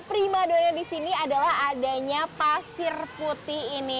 primadona di sini adalah adanya pasir putih ini